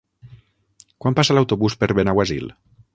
Quan passa l'autobús per Benaguasil?